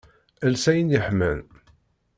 Els ayen yeḥman.